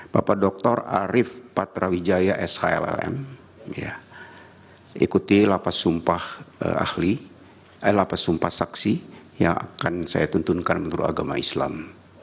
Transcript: bapak doktor arief patrawijaya shllm ikuti lapas sumpah saksi yang akan saya tuntunkan menurut agama islam